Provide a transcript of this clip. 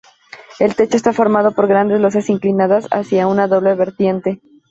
El techo está formado por grandes losas inclinadas hacia una doble vertiente.